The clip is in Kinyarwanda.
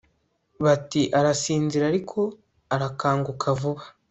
Bati Arasinziriye ariko arakanguka vuba